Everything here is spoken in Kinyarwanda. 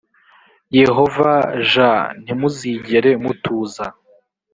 yehova j ntimuzigere mutuza